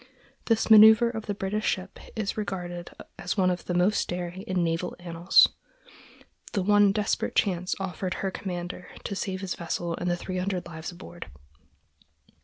This manœuver of the British ship is regarded as one of the most daring in naval annals—the one desperate chance offered her commander to save his vessel and the three hundred lives aboard.